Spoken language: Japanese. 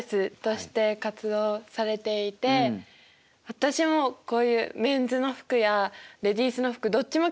私もこういうメンズの服やレディースの服どっちも着